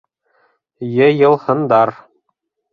Йыйылһындар.